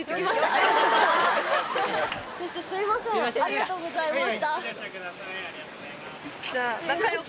ありがとうございます。